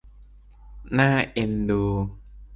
น่าเอ็นดู